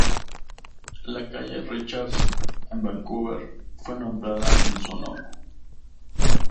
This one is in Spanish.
La calle Richards en Vancouver fue nombrada en su honor.